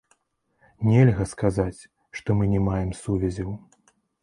Нельга сказаць, што мы не маем сувязяў.